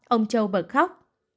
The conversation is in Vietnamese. ông châu bật khóc